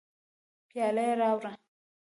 پیاله یې راوړه.